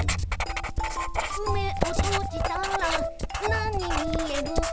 「めをとじたらなにみえる？」